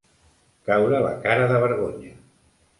Caure la cara de vergonya.